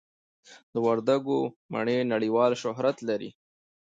د وردګو مڼې نړیوال شهرت لري.